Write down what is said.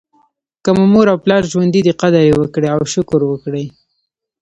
که مو مور او پلار ژوندي دي قدر یې وکړئ او شکر وکړئ.